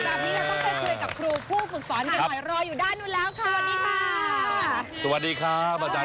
ตอนนี้ก็ต้องเจอคุยกับครูผู้ฝึกสอนกันหน่อย